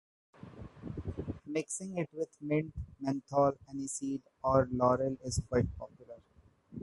Mixing it with mint, menthol, aniseed, or laurel is quite popular.